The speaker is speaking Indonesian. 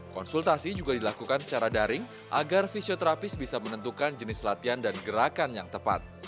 konsultasi juga dilakukan secara daring agar fisioterapis bisa menentukan jenis latihan dan gerakan yang tepat